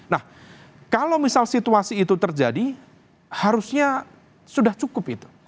nah kalau misal situasi itu terjadi harusnya sudah cukup itu